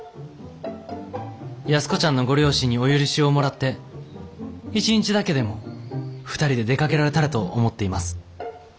安子ちゃんのご両親にお許しをもらって一日だけでも２人で出かけられたらと思っています。